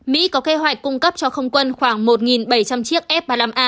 mỹ có kế hoạch cung cấp cho không quân khoảng một bảy trăm linh chiếc f ba mươi năm a